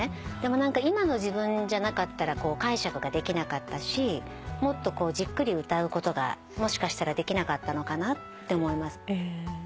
でも何か今の自分じゃなかったら解釈ができなかったしもっとじっくり歌うことがもしかしたらできなかったのかなと思います。